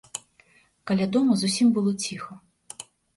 Каля дома зусім было ціха.